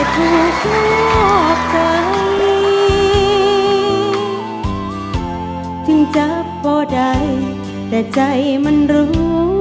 ถึงจับเพราะใดแต่ใจมันรู้